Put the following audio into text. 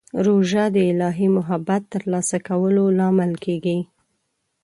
روژه د الهي محبت ترلاسه کولو لامل کېږي.